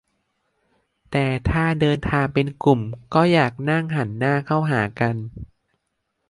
- แต่ถ้าเดินทางเป็นกลุ่ม ก็อยากนั่งหันหน้าเข้าหากัน